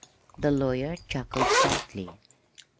The lawyer chuckled softly.